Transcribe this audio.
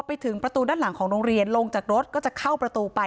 ไปถึงประตูด้านหลังของโรงเรียนลงจากรถก็จะเข้าประตูไป